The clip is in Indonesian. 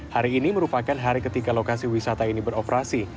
hari ini merupakan hari ketiga lokasi wisata ini beroperasi